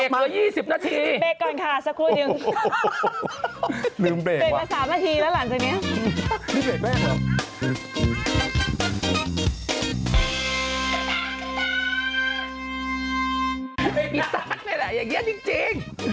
มิดทักนี่แหละอย่างเยี่ยมจริง